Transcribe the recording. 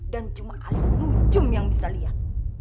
dan cuma alih alih lucu yang bisa lihat